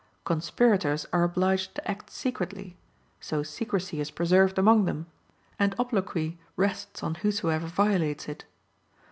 Conspirators are obliged to act secretly; so secrecy is preserved among them, and obloquy rests on whosoever violates it.